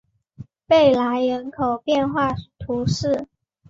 贝莱人口变化图示